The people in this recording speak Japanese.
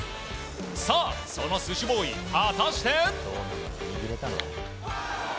さあ、そのスシボーイ果たして。